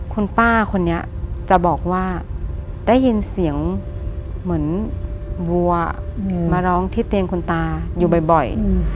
คุณป้าคนนี้จะบอกว่าได้ยินเสียงเหมือนวัวมาร้องที่เตียงคุณตาอยู่บ่อย